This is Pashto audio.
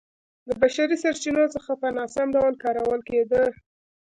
د بشري سرچینو څخه په ناسم ډول کارول کېده